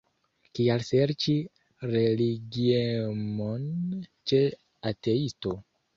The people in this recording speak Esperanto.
Kial serĉi religiemon ĉe ateisto?